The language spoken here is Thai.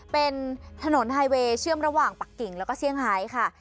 เป็นถนนไฮเวย์เชื่อมระหว่างปักกิ่งแล้วก็เซี่ยงไฮค่ะ